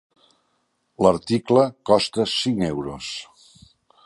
L'article costa cinc euros.